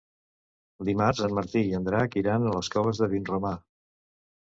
Dimarts en Martí i en Drac iran a les Coves de Vinromà.